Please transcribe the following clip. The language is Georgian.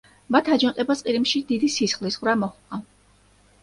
მათ აჯანყებას ყირიმში დიდი სისხლისღვრა მოჰყვა.